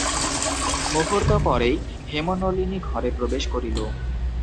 মুর্হূত পরেই হেমনলিনী ঘরে প্রবেশ করিল।